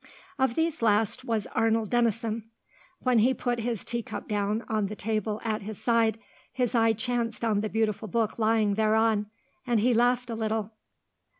Of these last was Arnold Denison. When he put his tea cup down on the table at his side, his eye chanced on the beautiful book lying thereon, and he laughed a little.